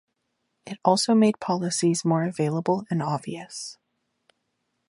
It also made policies more available and obvious.